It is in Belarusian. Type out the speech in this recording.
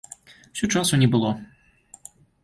Усё часу не было.